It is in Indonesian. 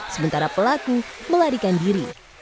sementara pelaku melarikan diri